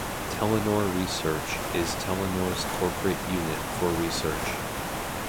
Telenor Research is Telenor's corporate unit for research.